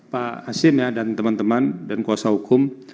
pak hasim ya dan teman teman dan kuasa hukum